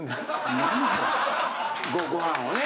ご飯をね。